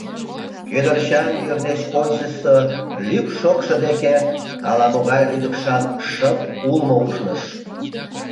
Кӱдырчан йӱр деч ончычсо лӱп шокшо деке ала-могай лӱдыкшан шып-улмо ушныш.